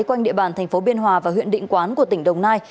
quanh địa bàn thành phố biên hòa và huyện định quán của tỉnh đồng nai